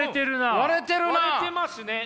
割れてますね！